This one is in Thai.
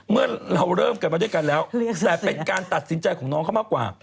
เมื่อเราเริ่มกันมาด้วยกันแล้วแต่เป็นการตัดสินใจของน้องเขามากกว่า